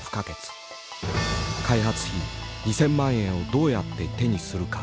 開発費２，０００万円をどうやって手にするか。